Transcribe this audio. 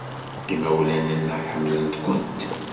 Imawlan-nneɣ ḥemmlen-kent.